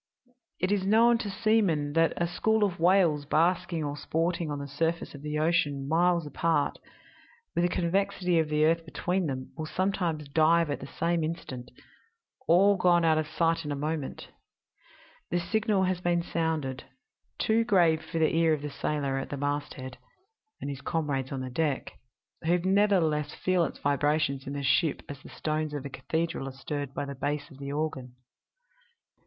"It is known to seamen that a school of whales basking or sporting on the surface of the ocean, miles apart, with the convexity of the earth between them, will sometimes dive at the same instant all gone out of sight in a moment. The signal has been sounded too grave for the ear of the sailor at the masthead and his comrades on the deck who nevertheless feel its vibrations in the ship as the stones of a cathedral are stirred by the bass of the organ.